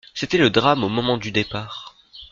C'était le drame au moment du départ.